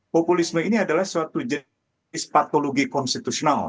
populisme ini adalah suatu jenis patologi konstitusional